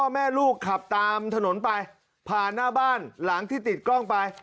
แม่ลูกขับตามถนนไปผ่านหน้าบ้านหลังที่ติดกล้องไป